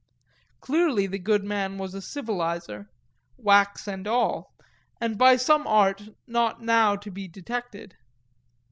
Clearly the good man was a civiliser whacks and all; and by some art not now to be detected.